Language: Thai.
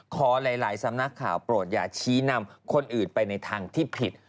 หลายสำนักข่าวโปรดอย่าชี้นำคนอื่นไปในทางที่ผิด